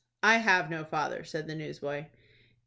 "I have no father," said the newsboy.